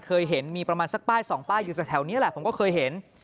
เคยเห็นมีประมาณสักป้ายสองป้ายอยู่แถวนี้แหละผมก็เคยเห็น